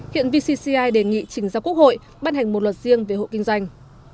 hiện vcci đề nghị chỉnh giáo quốc hội ban hành một luật riêng về hộ kinh doanh